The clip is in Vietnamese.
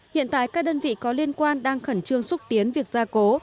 hiện tại các đơn vị có liên quan đang khẩn trương xúc tiến việc gia cố